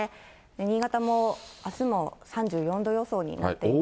新潟も、あすも３４度予想になっています。